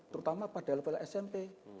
terutama pada level smp